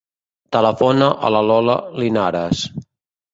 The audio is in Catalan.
Telefona a la Lola Linares.